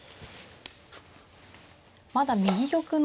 まだ右玉の。